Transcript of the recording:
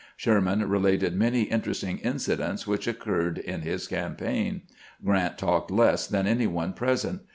Sherman related many inter esting incidents which occurred in his campaign. Grant talked less than any one present.